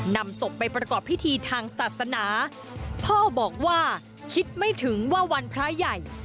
นำศพไปประกอบพิธีทางศาสนาพ่อบอกว่าคิดไม่ถึงว่าวันพระใหญ่